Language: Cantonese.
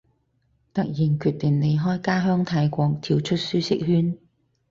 突然決定離開家鄉泰國，跳出舒適圈